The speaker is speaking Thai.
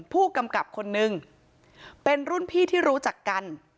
ผู้กำกับคนนึงเป็นรุ่นพี่ที่รู้จักกัน